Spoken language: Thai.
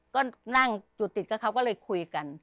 ก็นั่งจุดติดกับเขาก็เลยคุยกัน